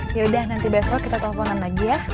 yaudah nanti besok kita teleponan lagi ya